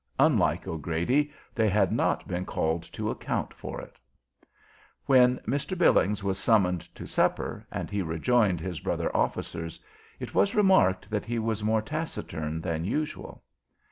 Unlike O'Grady, they had not been called to account for it. When Mr. Billings was summoned to supper, and he rejoined his brother officers, it was remarked that he was more taciturn than usual.